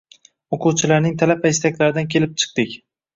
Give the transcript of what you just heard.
Oʻquvchilarning talab va istaklaridan kelib chiqdik.